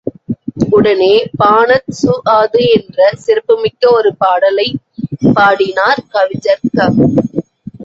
உடனே, பானத் ஸுஆது என்ற சிறப்பு மிக்க ஒரு பாடலைப் பாடினார் கவிஞர் கஃப்.